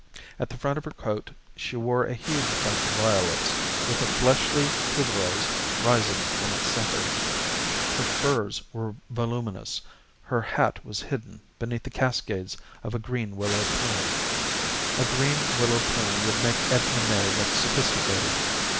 At the front of her coat she wore a huge bunch of violets, with a fleshly tuberose rising from its center. Her furs were voluminous. Her hat was hidden beneath the cascades of a green willow plume. A green willow plume would make Edna May look sophisticated.